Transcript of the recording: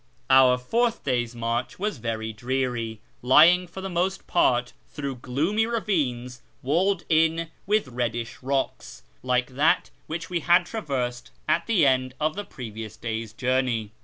Our fourth day's march was very dreary, lying for the most part through gloomy ravines walled in with reddish rocks, like tliat which we had traversed at the end of the previous day's journey.